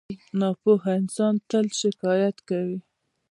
• ناپوهه انسان تل شکایت کوي.